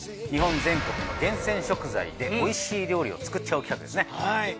日本全国の厳選食材で美味しい料理を作っちゃおう企画ですね。